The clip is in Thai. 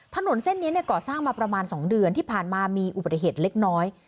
ถนนเส้นนี้ก่อสร้างมาประมาณ๒เดือนที่ผ่านมามีอุบัติเหตุเล็กน้อย